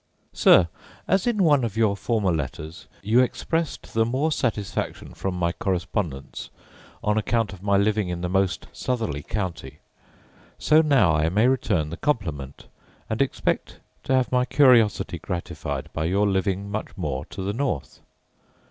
Sir, As in one of your former letters you expressed the more satisfaction from my correspondence on account of my living in the most southerly county; so now I may return the compliment, and expect to have my curiosity gratified by your living much more to the north.